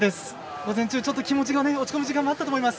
午前中、ちょっと気持ちが落ち込む時間もあったと思います。